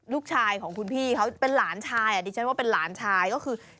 ลูกชายของคุณพี่เขาเป็นหลานชายดิฉันว่าเป็นหลานชายก็คือ